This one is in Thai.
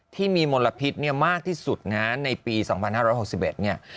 ที่มีมลพิษเนี่ยมากที่สุดนะฮะในปี๒๕๖๑เนี่ย